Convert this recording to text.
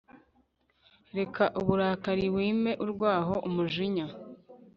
reka uburakari, wime urwaho umujinya